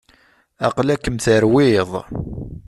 Aqla-kem terwiḍ.